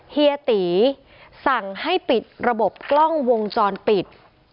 เฮียตีสั่งให้ปิดระบบกล้องวงจรปิด